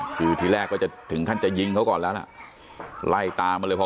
คือทีแรกว่าจะถึงขั้นจะยิงเขาก่อนแล้วล่ะไล่ตามมาเลยพอ